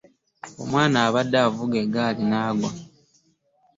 Omwana abadde avuga egaali naaggwa.